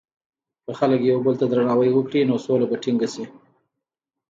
که خلک یو بل ته درناوی وکړي، نو سوله به ټینګه شي.